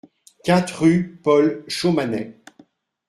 quatre rue Paul Chaumanet